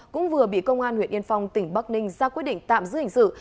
cũng vừa bị công an huyện yên phong tỉnh bắc ninh ra quyết định tạm giữ hình sự